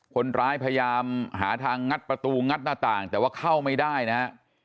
พยายามหาทางงัดประตูงัดหน้าต่างแต่ว่าเข้าไม่ได้นะฮะ